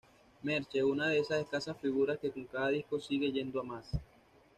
Merche: una de esas escasas figuras que con cada disco sigue yendo a más.